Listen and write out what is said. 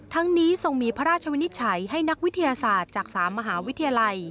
ทั้งนี้ทรงมีพระราชวินิจฉัยให้นักวิทยาศาสตร์จาก๓มหาวิทยาลัย